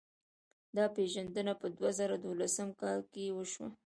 دا پېژندنه په دوه زره دولسم کال کې وشوه.